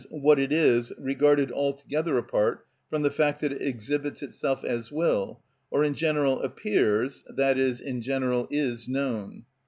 _, what it is, regarded altogether apart from the fact that it exhibits itself as will, or in general appears, i.e., in general is known.